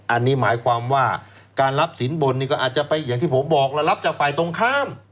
อันนี้หมายความว่าการรับสินบนนี่ก็อาจจะไปอย่างที่ผมบอกแล้วรับจากฝ่ายตรงข้าม